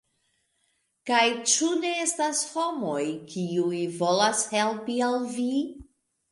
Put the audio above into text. Kaj ĉu ne estas homoj, kiuj volas helpi al vi?